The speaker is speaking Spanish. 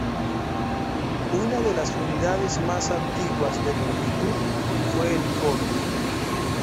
Una de las unidades más antiguas de longitud fue el "codo".